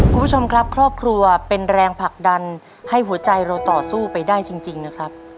คุณผู้ชมครับครอบครัวเป็นแรงผลักดันให้หัวใจเราต่อสู้ไปได้จริงนะครับ